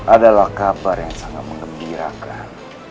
adalah kabar yang sangat mengembirakan